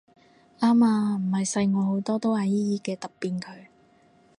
啱啊唔係細我好多都嗌姨姨嘅揼扁佢